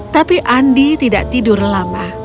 tapi andi tidak tidur lama